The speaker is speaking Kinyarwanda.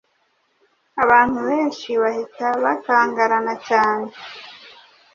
abantu benshi bahita bakangarana cyane.